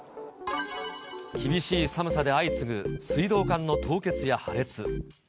厳しい寒さで相次ぐ、水道管の凍結や破裂。